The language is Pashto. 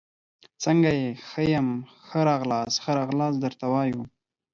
څنګه يي ، ښه يم، ښه راغلاست ، ښه راغلاست درته وایو